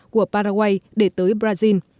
của paraguay để tới brazil